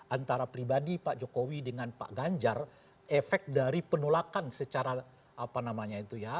antara pribadi pak jokowi dengan pak ganjar efek dari penolakan secara apa namanya itu ya